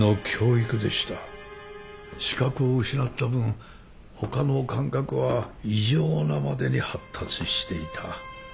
視覚を失った分他の感覚は異常なまでに発達していた。